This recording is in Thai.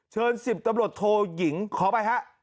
เชิญ๑๐ตำรวจโทหยิงขอไปฮะ